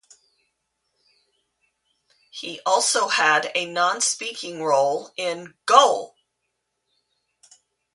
He also had a non-speaking role in Goal!